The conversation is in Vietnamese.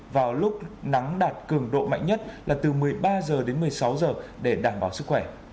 vào lúc nắng đạt cường độ mạnh nhất là từ một mươi ba h đến một mươi sáu h để đảm bảo sức khỏe